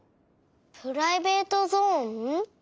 「プライベートゾーン」？